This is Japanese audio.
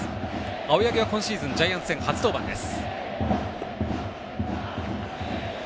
青柳は今シーズンジャイアンツ戦、初登板です。